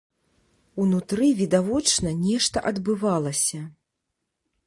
Унутры відавочна нешта адбывалася.